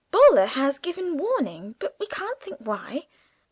Boaler has given warning, but we can't think why.